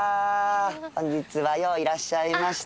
本日はよういらっしゃいました。